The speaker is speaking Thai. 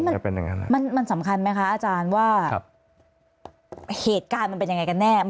มันสำคัญไหมคะอาจารย์ว่าเหตุการณ์มันเป็นยังไงกันแน่